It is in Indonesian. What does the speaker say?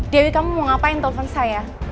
dewi kamu mau ngapain telpon saya